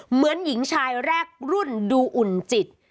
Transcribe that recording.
เหมือนหญิงชายแรกรุ่นดูอุ่นจิต